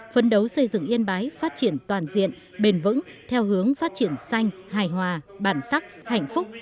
phấn đấu xây dựng yên bái phát triển toàn diện bền vững theo hướng phát triển xanh hài hòa bản sắc hạnh phúc